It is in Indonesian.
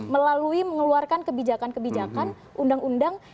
melalui mengeluarkan kebijakan kebijakan undang undang